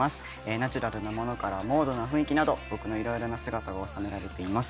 ナチュラルなものからモードな雰囲気など僕の色々な姿が収められています。